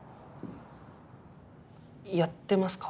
やってますか？